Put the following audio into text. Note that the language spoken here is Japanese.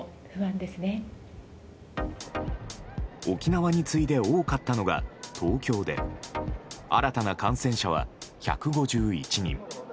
沖縄に次いで多かったのが東京で新たな感染者は１５１人。